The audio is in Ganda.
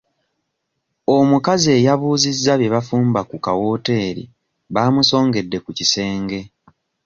Omukazi eyabuuzizza bye bafumba mu kawooteeri baamusongedde ku kisenge